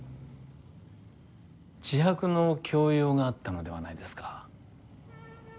自白の強要があったのではないですか？